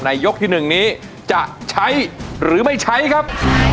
ยกที่๑นี้จะใช้หรือไม่ใช้ครับ